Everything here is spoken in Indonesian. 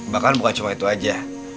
bahkan bukan cuma itu aja